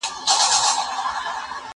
ایا ته اوبه څښې.